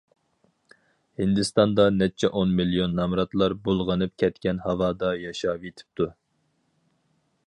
ھىندىستاندا نەچچە ئون مىليون نامراتلار بۇلغىنىپ كەتكەن ھاۋادا ياشاۋېتىپتۇ.